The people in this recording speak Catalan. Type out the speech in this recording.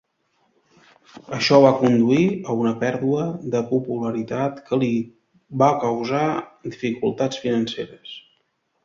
Això va conduir a una pèrdua de popularitat que li va causar dificultats financeres.